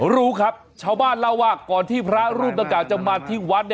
รู้ครับชาวบ้านเล่าว่าก่อนที่พระรูปดังกล่าจะมาที่วัด